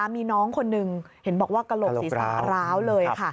มีน้องคนหนึ่งเห็นบอกว่ากระโหลกศีรษะร้าวเลยค่ะ